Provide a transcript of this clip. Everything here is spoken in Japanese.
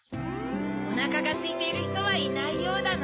おなかがすいているひとはいないようだな。